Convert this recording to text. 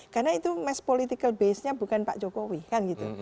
karena itu mass political base nya bukan pak jokowi kan gitu